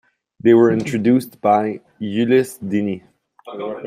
They were introduced by Ulisse Dini.